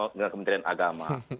dengan kementerian agama